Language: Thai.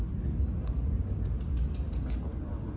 ผมไม่กล้าด้วยผมไม่กล้าด้วยผมไม่กล้าด้วย